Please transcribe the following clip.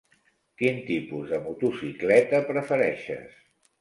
Quin tipus de motocicleta prefereixes?